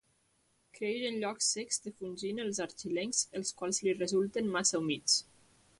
Creix en llocs secs defugint els argilencs els quals li resulten massa humits.